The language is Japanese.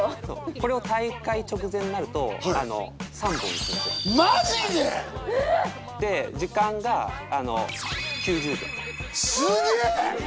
これを大会直前になると３本いくんですよマジで！？で時間が９０秒すげー！